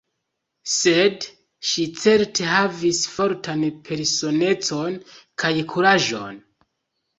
Sed ŝi certe havis fortan personecon kaj kuraĝon.